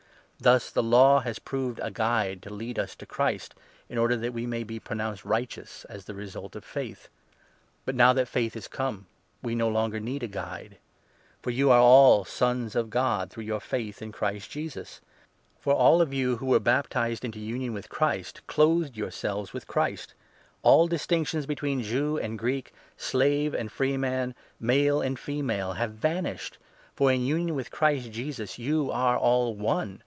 Thus the Law has proved a guide to lead us to Christ, 24 in order that we may be pronounced righteous as the result of faith. But now that faith has come we no longer need a guide. 25 The Effect ^*or vou are a^ Sons of God, through your faith 26 of the in Christ Jesus. For all of you who were baptized 27 Qospei. mto union with Christ clothed yourselves with Christ. All distinctions between Jew and Greek, slave and 28 freeman, male and female, have vanished ; for in union with Christ Jesus you are all one.